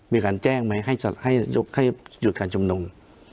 มีการแจ้งไหมให้หยุดการชมนุม